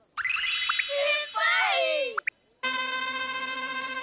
先輩！